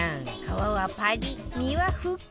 皮はパリッ！